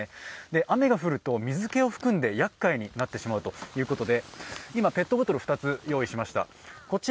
雨が降ると水けを含んでやっかいになってしまうということで今ペットボトル２つ用意しました。